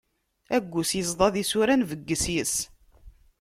Aggus, yeẓḍa d isura, nbegges yes-s.